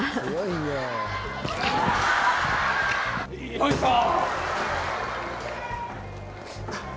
よいしょ！